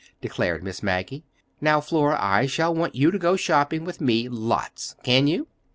declared Miss Maggie. "Now, Flora, I shall want you to go shopping with me lots. Can you?"